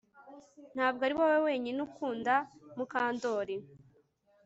Ntabwo ari wowe wenyine ukunda Mukandoli